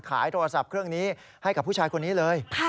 ขายโทรศัพท์เครื่องนี้ให้กับผู้ชายคนนี้เลย